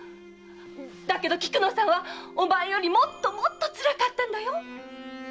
〔だけど菊乃さんはお前よりもっとつらかったんだよ〕